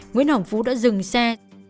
nguyễn hồng phú đã dừng xe